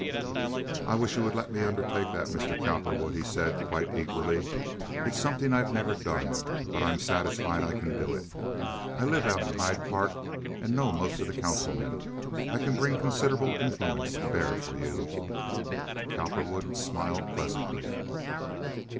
"I wish you would let me undertake that, Mr. Cowperwood," he said, quite eagerly. "It's something I've never done, but I'm satisfied I can do it. I live out in Hyde Park and know most of the councilmen. I can bring considerable influence to bear for you." Cowperwood smiled pleasantly.